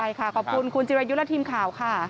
ใช่ค่ะขอบคุณคุณจิรายุทธ์และทีมข่าวค่ะ